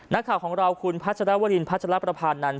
นักข่าวของเราคุณพัชรวรินพัชรประพานันท